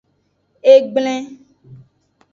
Egblen.